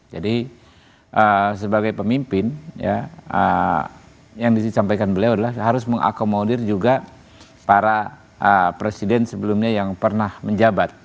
jadi sebagai pemimpin yang disampaikan beliau adalah harus mengakomodir juga para presiden sebelumnya yang pernah menjabat